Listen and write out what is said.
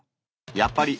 やっぱり。